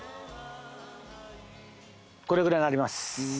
これぐらいになります。